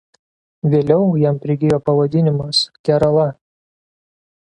Vėliau jam prigijo pavadinimas Kerala.